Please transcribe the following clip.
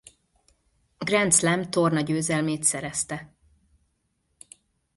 Grand Slam-tornagyőzelmét szerezte.